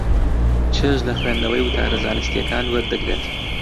چێژ لە خوێندنەوەی وتارە زانستییەکان وەردەگرێت.